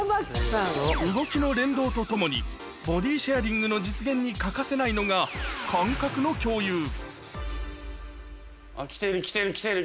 動きの連動とともに、ボディシェアリングの実現に欠かせないのが感覚の共有。